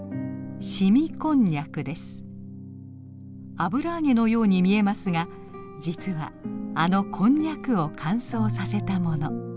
油揚げのように見えますが実はあのこんにゃくを乾燥させたもの。